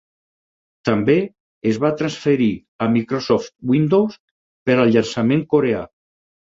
També es va transferir a Microsoft Windows per al llançament coreà.